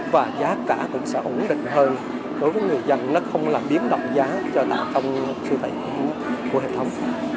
và giá cả cũng sẽ ổn định hơn đối với người dân nó không làm biến động giá cho tạm thông sưu tài của hệ thống